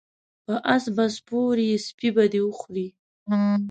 په اس به سپور یی سپی به دی وخوري